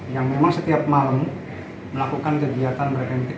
yang memang setiap malam melakukan kegiatan preventif